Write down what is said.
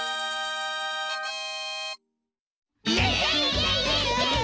イエイイエイイエイ！